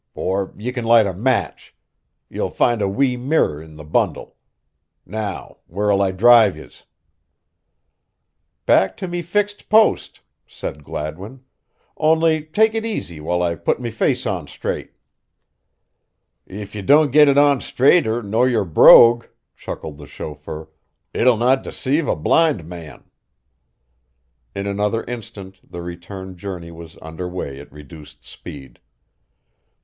"Or ye can light a match. Ye'll find a wee mirror in the bundle. Now where'll I drive yez?" "Back to me fixed post," said Gladwin, "only take it easy while I put me face on straight." "If ye don't git it on straighter nor your brogue," chuckled the chauffeur, "it'll not decave a blind man." In another instant the return journey was under way at reduced speed.